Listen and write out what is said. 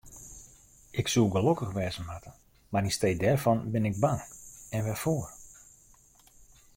Ik soe gelokkich wêze moatte, mar yn stee dêrfan bin ik bang, en wêrfoar?